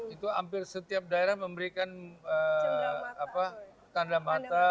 itu hampir setiap daerah memberikan tanda mata